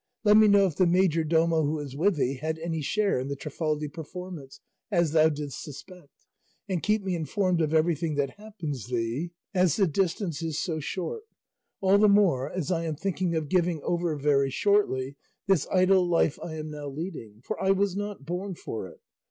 Let me know if the majordomo who is with thee had any share in the Trifaldi performance, as thou didst suspect; and keep me informed of everything that happens thee, as the distance is so short; all the more as I am thinking of giving over very shortly this idle life I am now leading, for I was not born for it.